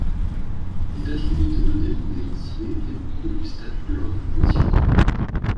Les dates limites de dépôt des dossiers dépendent du statut de l'organisation.